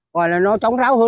gọi là nó trống ráo hơn